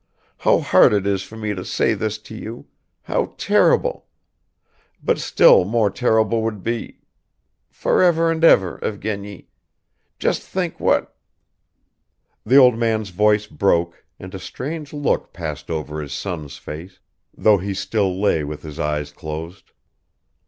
How hard it is for me to say this to you how terrible; but still more terrible would be ... forever and ever, Evgeny ... just think what ..." The old man's voice broke and a strange look passed over his son's face, though he still lay with his eyes closed.